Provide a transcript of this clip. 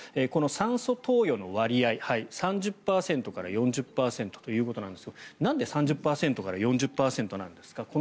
この酸素投与の割合３０％から４０％ということですがなんで３０％から４０％なんですか？